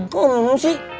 kok emang emang sih